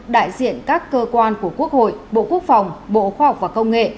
đại diện các cơ quan của quốc hội bộ quốc phòng bộ khoa học và công nghệ